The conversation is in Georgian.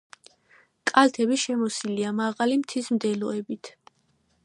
კალთები შემოსილია მაღალი მთის მდელოებით.